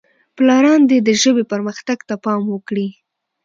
پلاران دې د ژبې پرمختګ ته پام وکړي.